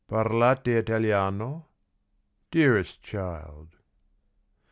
Parlate Italiano ? Dearest Child